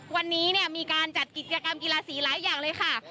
วันนี้เนี่ยมีการจัดกิจกรรมกีฬาสีหลายอย่างเลยค่ะ